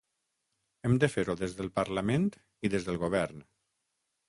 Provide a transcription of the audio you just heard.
Hem de fer-ho des del parlament i des del govern.